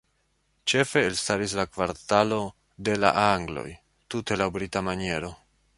Ĉefe elstaris la kvartalo "de la angloj" tute laŭ brita maniero.